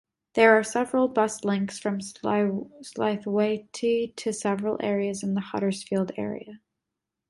There are several bus links from Slaithwaite to several areas in the Huddersfield area.